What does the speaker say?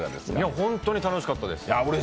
本当仁多のしかったです。